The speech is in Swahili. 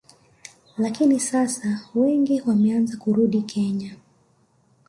Lakini sasa wengi wameanza kurudi Kenya